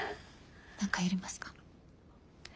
何かやりますか？